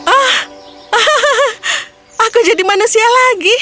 oh aku jadi manusia lagi